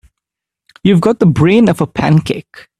You've got the brain of a pancake.